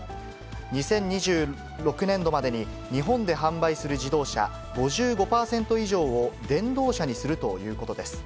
２０２６年度までに、日本で販売する自動車５５％以上を電動車にするということです。